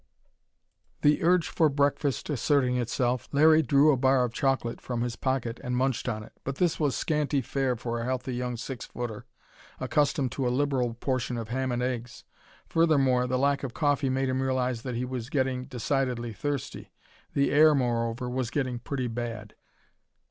The urge for breakfast asserting itself, Larry drew a bar of chocolate from his pocket and munched on it. But this was scanty fare for a healthy young six footer, accustomed to a liberal portion of ham and eggs. Furthermore, the lack of coffee made him realize that he was getting decidedly thirsty. The air, moreover, was getting pretty bad.